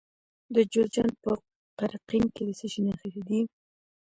د جوزجان په قرقین کې د څه شي نښې دي؟